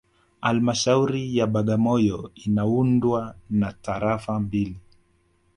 Halmashauri ya Bagamoyo inaundwa na tarafa mbili